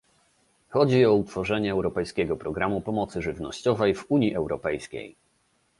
chodzi o utworzenie europejskiego programu pomocy żywnościowej w Unii Europejskiej